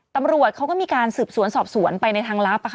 ตำรวจเขาก็มีการสืบสวนสอบสวนไปในทางลับ